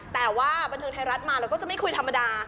แต่ว่าบันเทิงไทยรัฐมาเราก็จะไม่คุยธรรมดา